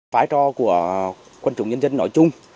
phái trò của quân chủ nhân dân nổi chung